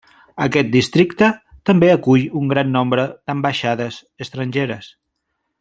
Aquest districte també acull un gran nombre d'ambaixades estrangeres.